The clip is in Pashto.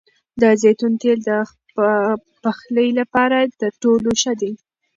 د زیتون تېل د پخلي لپاره تر ټولو ښه دي.